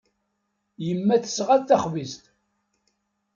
Yemma tesɣa-d taxbizt.